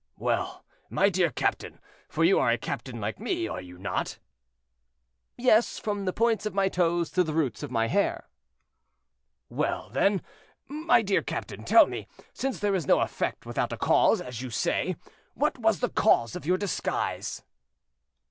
"Well, my dear captain, for you are a captain like me, are you not?" "Yes, from the points of my toes to the roots of my hair." "Well, then, my dear captain, tell me, since there is no effect without a cause, as you say, what was the cause of your disguise?"